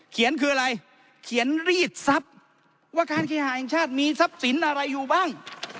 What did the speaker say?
เขียนคืออะไรเขียนรีดทรัพย์ว่าการเคหาแห่งชาติมีทรัพย์สินอะไรอยู่บ้าง